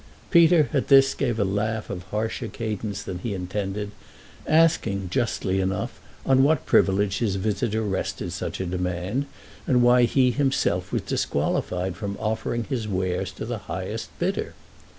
Peter, at this, gave a laugh of harsher cadence than he intended, asking, justly enough, on what privilege his visitor rested such a demand and why he himself was disqualified from offering his wares to the highest bidder.